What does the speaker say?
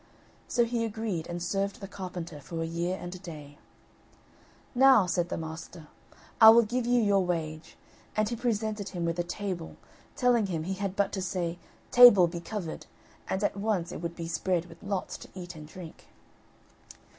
So he agreed, and served the carpenter for a year and a day. "Now," said the master, "I will give you your wage;" and he presented him with a table, telling him he had but to say, "Table, be covered," and at once it would be spread with lots to eat and drink.